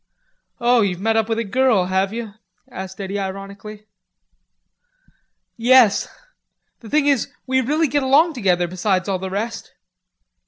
"O, you've met up with a girl, have you?" asked Eddy ironically. "Yes. The thing is we really get along together, besides all the rest."